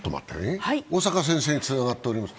小坂先生につながっております。